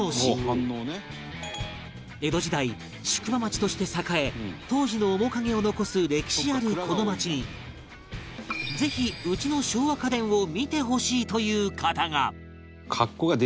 江戸時代宿場町として栄え当時の面影を残す歴史あるこの街にぜひうちの昭和家電を見てほしいという方が